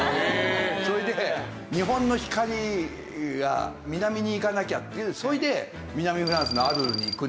それで日本の光が南に行かなきゃっていうそれで南フランスのアルルに行くんですよ。